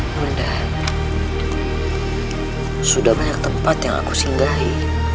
bunda sudah banyak tempat yang aku singgahi